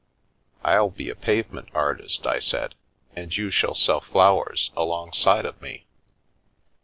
u 111 be a pavement artist 1 " I said, " and you shall sell flowers alongside of me."